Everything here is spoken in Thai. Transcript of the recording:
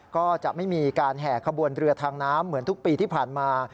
ก็จะไม่มีการแห่ขบวนเรือทางน้ำเหมือนทุกปีที่ผ่านมา